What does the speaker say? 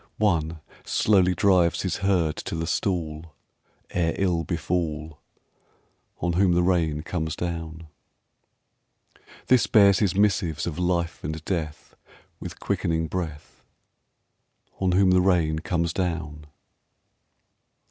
One slowly drives his herd to the stall Ere ill befall, On whom the rain comes down. This bears his missives of life and death With quickening breath, On whom the rain comes down.